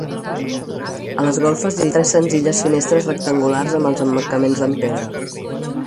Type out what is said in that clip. A les golfes hi ha tres senzilles finestres rectangulars amb els emmarcaments en pedra.